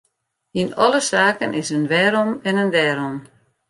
Yn alle saken is in wêrom en in dêrom.